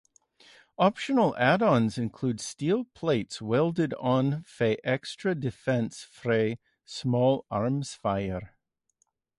Optional add-ons include steel plates welded on for extra defense from small arms fire.